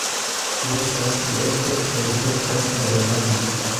Mi estas Greko, kaj vi estas Germano.